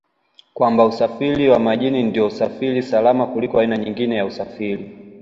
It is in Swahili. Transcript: kwamba Usafiri wa Majini ndio usafiri salama kuliko aina nyingine ya usafiri